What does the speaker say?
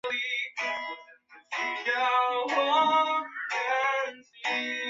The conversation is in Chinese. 向全谟是琉球国第二尚氏王朝时期的音乐家。